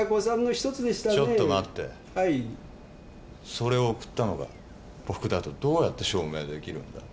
それを贈ったのが僕だとどうやって証明できるんだ？